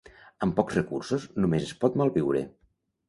Amb pocs recursos només es pot malviure.